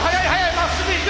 まっすぐ行く。